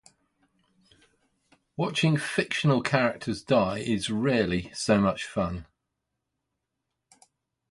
Watching fictional characters die is rarely so much fun.